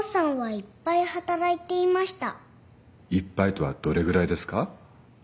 いっぱいとはどれぐらいですか。